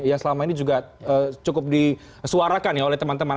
yang selama ini juga cukup disuarakan ya oleh teman teman